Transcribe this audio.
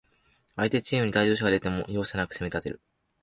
相手チームに退場者が出ても、容赦なく攻めたてる